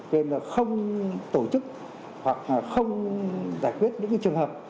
vì vậy không tổ chức hoặc không giải quyết những trường hợp